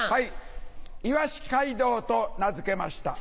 イワシ街道と名付けました。